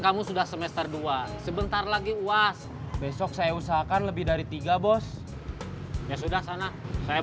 kamu sudah semester dua sebentar lagi uas besok saya usahakan lebih dari tiga bos ya sudah sana saya